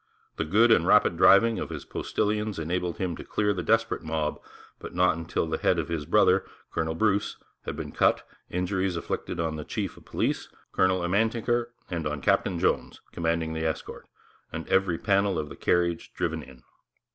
The good and rapid driving of his postilions enabled him to clear the desperate mob, but not till the head of his brother, Colonel Bruce, had been cut, injuries inflicted on the chief of police, Colonel Ermatinger, and on Captain Jones, commanding the escort, and every panel of the carriage driven in.'